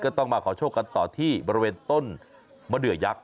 ต้องมาขอโชคกันต่อที่บริเวณต้นมะเดือยักษ